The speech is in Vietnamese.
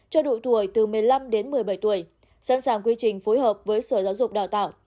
cho đội tuổi từ một mươi năm đến một mươi bảy tuổi sẵn sàng quy trình phối hợp với sở giáo dục đào tạo